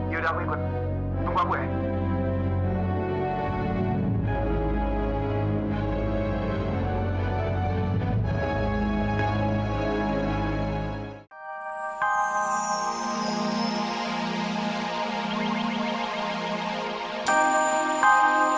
yaudah aku ikut tunggu aku ya